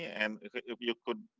lagi dengan ibu segda